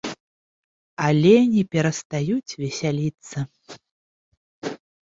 Але не перастаюць весяліцца.